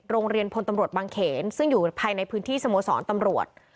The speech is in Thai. โรงเรียนพลตำรวจบางเขนซึ่งอยู่ภายในพื้นที่สโมสรตำรวจ